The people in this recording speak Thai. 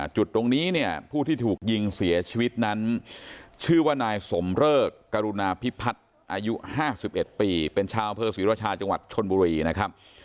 จุดตรงนี้เนี่ยผู้ที่ถูกยิงเสียชีวิตนั้นชื่อว่านายสมเริกกรุณาพิพัฒน์อายุ๕๑ปีเป็นชาวอำเภอศรีราชาจังหวัดชนบุรีนะครับ